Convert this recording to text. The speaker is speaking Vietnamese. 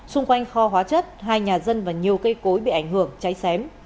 xung quanh kho hóa chất hai nhà dân và nhiều cây cối bị ảnh hưởng cháy xém